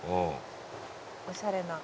おしゃれな。